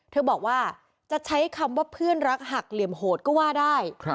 บอกว่าจะใช้คำว่าเพื่อนรักหักเหลี่ยมโหดก็ว่าได้